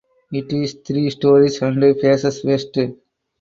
It is three stories and faces west.